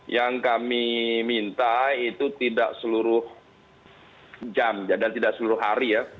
yang kami minta itu tidak seluruh jam dan tidak seluruh hari ya